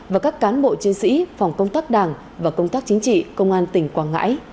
và các cán bộ chiến sĩ phòng công tác đảng và công tác chính trị công an tỉnh quảng ngãi